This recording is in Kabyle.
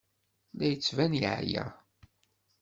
La d-yettban yeɛya.